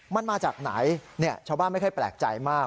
มันมาจากไหนชาวบ้านไม่ค่อยแปลกใจมาก